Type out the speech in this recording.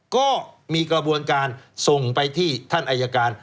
ก็มีกระบวนการส่งไปที่ท่านอายการ